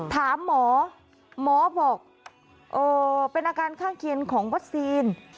ถามหมอหมอบอกเป็นอาการข้างเคียงของวัคซีน